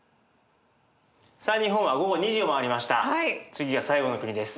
次が最後の国です。